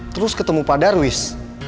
terus ketemu pak darwis